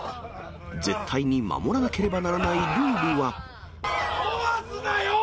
絶対に守らなければならないルールは。